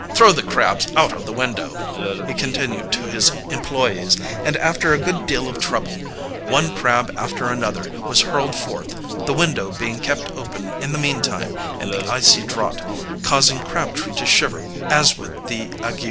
"Throw the crabs out of the window," he continued to his employees, and after a good deal of trouble one crab after another was hurled forth, the window being kept open in the meantime and the icy draught causing Crabtree to shiver as with the ague.